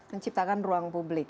menciptakan ruang publik